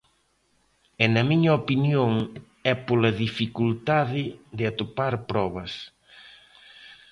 E na miña opinión é pola dificultade de atopar probas.